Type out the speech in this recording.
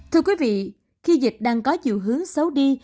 thưa quý vị khi dịch đang có chiều hướng xấu đi